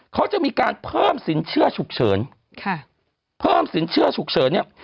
เขาจะมีการเพิ่มสินเชื่อฉุกเฉินค่ะเพิ่มสินเชื่อฉุกเฉินเนี่ย